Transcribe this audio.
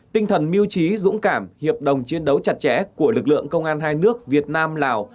tinh thần mưu trí dũng cảm hiệp đồng chiến đấu chặt chẽ của lực lượng công an hai nước việt nam lào